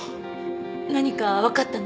何かわかったの？